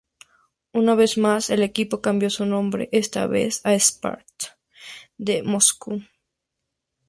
Una vez más el equipo cambió su nombre, esta vez a Spartak de Moscú.